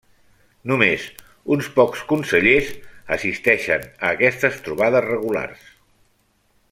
Només uns pocs consellers assisteixen a aquestes trobades regulars.